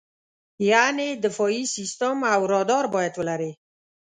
یعنې دفاعي سیستم او رادار باید ولرې.